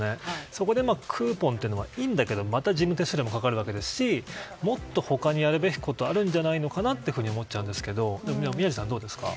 そこで、クーポンというのはいいと思うんですけどまた事務手数料もかかりますしもっと他にやるべきことがあるんじゃないのかなって思っちゃうんですけど宮司さんはどうですか？